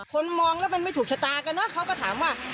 คนมองแล้วมันไม่ถูกชะตากันเนอะเขาก็ถามว่า